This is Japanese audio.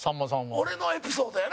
俺のエピソードやな。